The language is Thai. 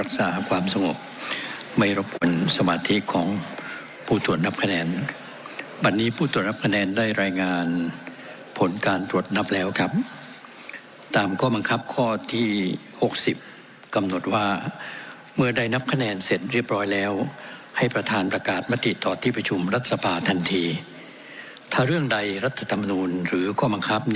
สามรายการสดนับประจูปไปพร้อมกันครับ